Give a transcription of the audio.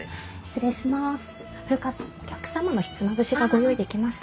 失礼します。